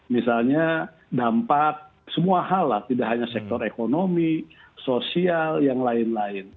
misalnya dampak semua hal lah tidak hanya sektor ekonomi sosial yang lain lain